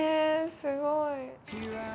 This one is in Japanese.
すごい。